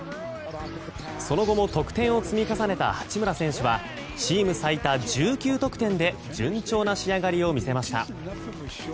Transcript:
その後も得点を積み重ねた八村選手はチーム最多１９得点で順調な仕上がりを見せました。